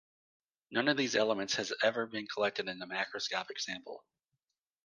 None of these elements has ever been collected in a macroscopic sample.